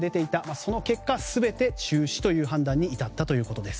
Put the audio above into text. その結果、全て中止という判断に至ったということです。